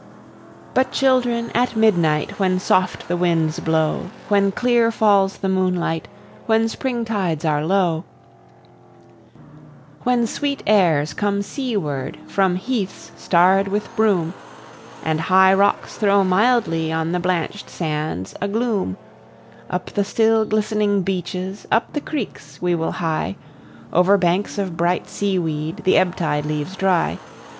But, children, at midnight, When soft the winds blow, When clear falls the moonlight, When spring tides are low; When sweet airs come seaward From heaths starr'd with broom, And high rocks throw mildly On the blanch'd sands a gloom; Up the still, glistening beaches, Up the creeks we will hie, Over banks of bright seaweed The ebb tide leaves dry.